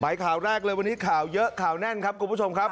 ข่าวแรกเลยวันนี้ข่าวเยอะข่าวแน่นครับคุณผู้ชมครับ